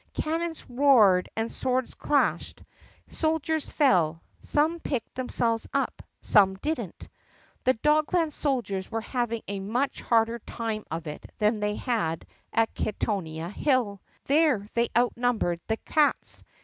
Cannons roared and swords clashed. Soldiers fell. Some picked themselves up. Some did n't. The Dogland soldiers were having a much harder time of it than they had had at Kittonia Hill. There they outnumbered the cats.